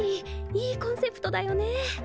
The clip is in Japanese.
いいコンセプトだよね。